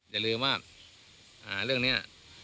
อย่าลืมว่าเรื่องนี้